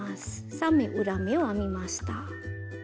３目裏目を編みました。